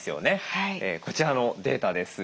こちらのデータです。